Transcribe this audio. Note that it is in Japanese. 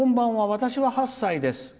私は８歳です。